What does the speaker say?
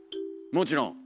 もちろん。